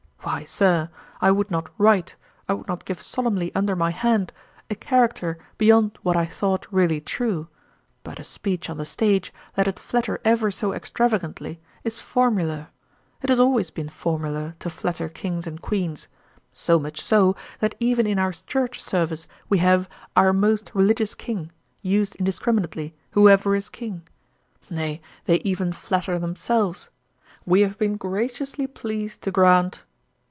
'Why, Sir, I would not write, I would not give solemnly under my hand, a character beyond what I thought really true; but a speech on the stage, let it flatter ever so extravagantly, is formular. It has always been formular to flatter Kings and Queens; so much so, that even in our church service we have "our most religious King," used indiscriminately, whoever is King. Nay, they even flatter themselves; "we have been graciously pleased to grant."